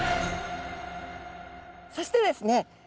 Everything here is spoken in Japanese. そしてですね